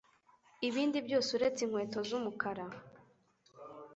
Ibindi byose, uretse inkweto z'umukara